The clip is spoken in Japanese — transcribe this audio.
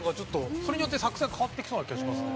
それによって作戦変わってきそうな気がしますね。